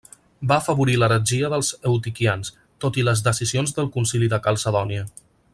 Va afavorir l'heretgia dels eutiquians, tot i les decisions del Concili de Calcedònia.